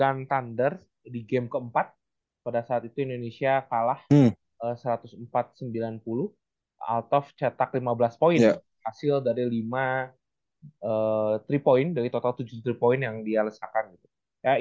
udah pasti gitu ya